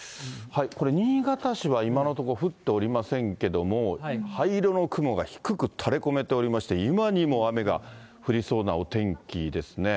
これ、新潟市は今のところ、降っておりませんけども、灰色の雲が低く垂れこめておりまして、今にも雨が降りそうなお天気ですね。